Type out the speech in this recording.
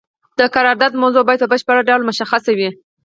د قرارداد موضوع باید په بشپړ ډول مشخصه وي.